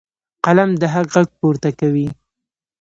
قلم د حق غږ پورته کوي.